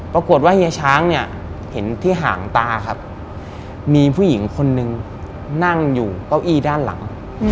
เฮียช้างเนี่ยเห็นที่หางตาครับมีผู้หญิงคนนึงนั่งอยู่เก้าอี้ด้านหลัง